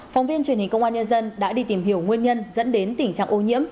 phóng viên truyền hình công an nhân dân đã đi tìm hiểu nguyên nhân dẫn đến tình trạng ô nhiễm